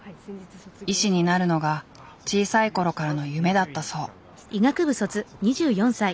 医師になるのが小さい頃からの夢だったそう。